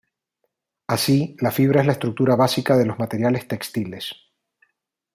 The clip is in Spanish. Así, la fibra es la estructura básica de los materiales textiles.